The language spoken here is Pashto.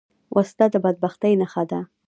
وسله د بدبختۍ نښه ده